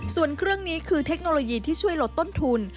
ส่วนเครื่องนี้คือเทคโนโลยีที่ช่วยลดต้นทุน